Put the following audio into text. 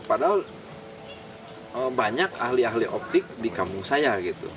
padahal banyak ahli ahli optik di kampung saya gitu